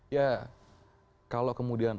ya kalau kemudian